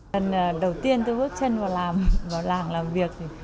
lần đầu tiên tôi bước chân vào làng làm việc